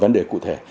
vấn đề cụ thể